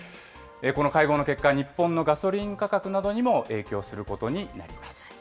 この会合の結果、日本のガソリン価格などにも影響することになります。